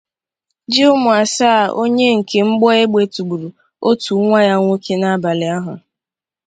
ji ụmụ asaa onye nke mgbọ egbe tụgburu otu nwa ya nwoke n’abalị ahụ